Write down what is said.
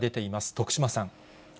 徳島さん。